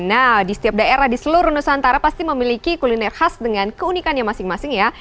nah di setiap daerah di seluruh nusantara pasti memiliki kuliner khas dengan keunikannya masing masing ya